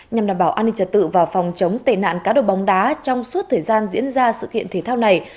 nhằm đảm bảo an ninh trật tự và phòng chống tệ nạn cá độ bóng đá trong suốt thời gian diễn ra sự kiện thể thao này